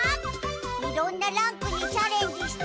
いろんなランクにチャレンジして。